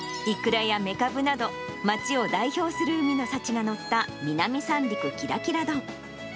イクラやメカブなど、町を代表する海の幸が載った、南三陸キラキラ丼。